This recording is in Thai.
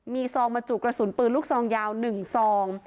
มีซองบรรจุกระสุนปืนลูกซองยาว๑ซอง